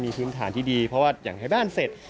มีพื้นฐานที่ดีเพราะว่าอยากให้บ้านเสร็จ